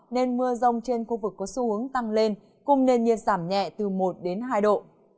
nên mưa rông trên khu vực có xu hướng tăng lên cùng nền nhiệt giảm nhẹ từ một đến hai độ